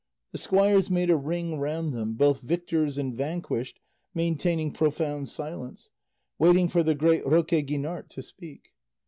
The squires made a ring round them, both victors and vanquished maintaining profound silence, waiting for the great Roque Guinart to speak.